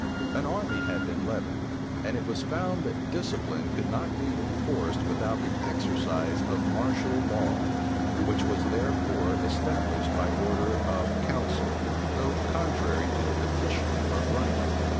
An army had been levied; and it was found that discipline could not be enforced without the exercise of martial law, which was therefore established by order of council, though contrary to the petition of right.